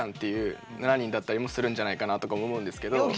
いう７人だったりもするんじゃないかなとか思うんですけど。